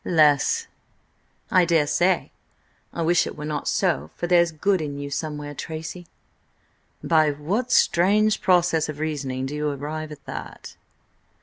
"Less." "I daresay. I wish it were not so, for there's good in you somewhere, Tracy." "By what strange process of reasoning do you arrive at that?"